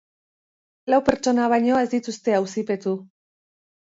Lau pertsona baino ez dituzte auzipetu.